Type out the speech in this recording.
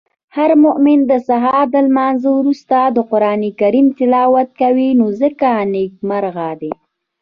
هرمومن د سهار د لمانځه وروسته د قرانکریم تلاوت کوی نو ځکه نیکمرغه دی.